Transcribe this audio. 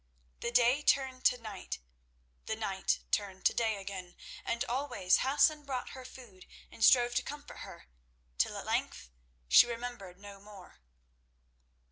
The day turned to night, the night turned to day again, and always Hassan brought her food and strove to comfort her, till at length she remembered no more.